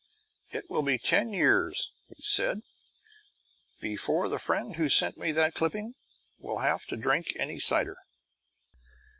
It will be ten years, he said, before the friend who sent me that clipping will have to drink any cider.